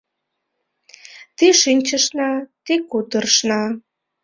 Ты шинчышна, ты кутырышна